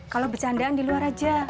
kalau bercandaan di luar aja